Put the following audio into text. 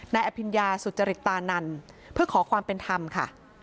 นายอภิญญาสุจริตตานันเพื่อขอความเป็นธรรมค่ะ